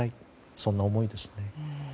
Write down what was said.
そんな思いですね。